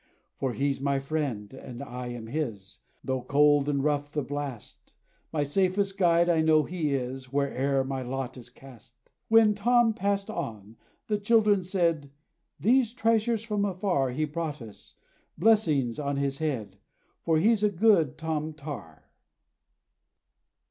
"For he 's my friend, and I am his, Though cold and rough the blast: My safest guide I know he is, Where'er my lot is cast." When Tom passed on, the children said, "These treasures from afar He brought us! Blessings on his head! For he 's a good Tom Tar!"